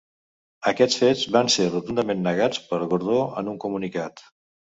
Aquests fets van ser rotundament negats per Gordó en un comunicat.